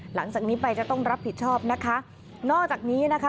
หลังจากนี้ไปจะต้องรับผิดชอบนะคะนอกจากนี้นะคะ